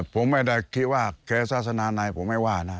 ผมไม่ได้คิดว่าเคศาสนาในผมไม่ว่านะ